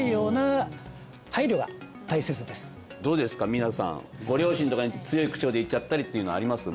皆さんご両親とかに強い口調で言っちゃったりっていうのはあります？